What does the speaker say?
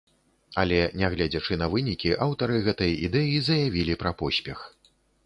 Але нягледзячы на вынікі, аўтары гэтай ідэі заявілі пра поспех.